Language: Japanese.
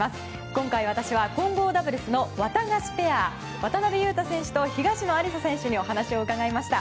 今回、私は混合ダブルスのワタガシペア渡辺勇大選手と東野有紗選手にお話を伺いました。